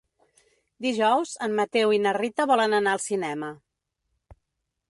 Dijous en Mateu i na Rita volen anar al cinema.